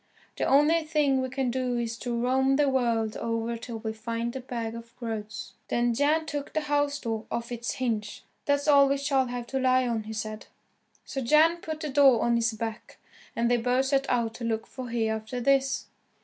The only thing we can do is to roam the world over till we find the bag of groats." Then Jan took the house door off its hinges, "That's all we shall have to lie on," he said. So Jan put the door on his back, and they both set out to look for Hereafterthis.